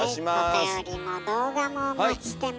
おたよりも動画もお待ちしてます。